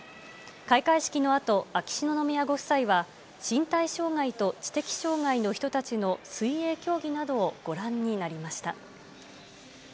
開会式のあと、あきしののみやごふさいは身体障がいと知的障がいの人たちの水泳競技などをご覧になりました。